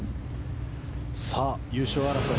優勝争い